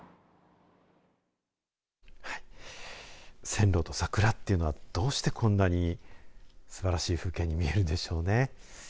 線路と桜っていうのはどうしてこんなにすばらしい風景に見えるんでしょうね。